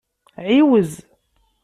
Ɛiwez.